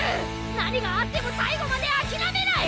何があっても最後まで諦めない！